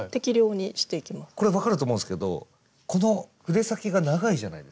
これ分かると思うんすけどこの筆先が長いじゃないですか。